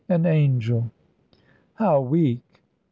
"An angel." "How weak!"